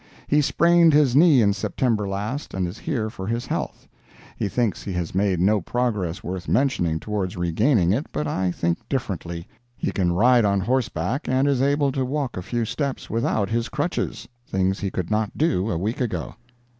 He sprained his knee in September last, and is here for his health. He thinks he has made no progress worth mentioning towards regaining it, but I think differently. He can ride on horseback, and is able to walk a few steps without his crutches—things he could not do a week ago.